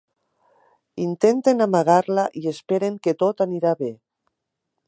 Intenten amagar-la i esperen que tot anirà bé.